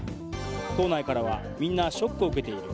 党内からはみんなショックを受けている。